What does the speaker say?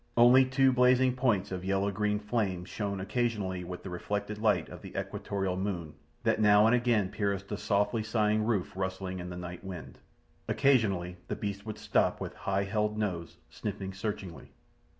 Only two blazing points of yellow green flame shone occasionally with the reflected light of the equatorial moon that now and again pierced the softly sighing roof rustling in the night wind. Occasionally the beast would stop with high held nose, sniffing searchingly.